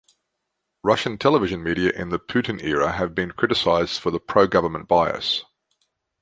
Russian television media in the Putin era have been criticised for the pro-government bias.